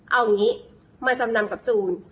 เอางี้มาจำนำกับจูน